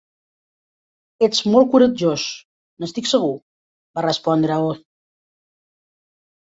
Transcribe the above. "Ets molt coratjós, n'estic segur", va respondre Oz.